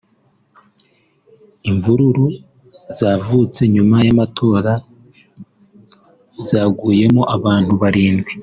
Imvururu zavutse nyuma y’amatora zaguyemo abantu barindwi